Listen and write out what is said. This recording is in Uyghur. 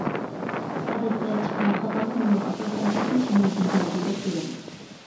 ئادەتتە چىققان خاتالىق نومۇرىغا ئاساسەن تېپىش مۇمكىنچىلىكى بەك تۆۋەن.